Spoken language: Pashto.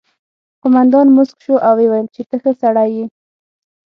قومندان موسک شو او وویل چې ته ښه سړی یې